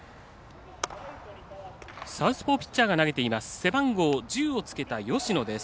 サウスポーピッチャーが投げています。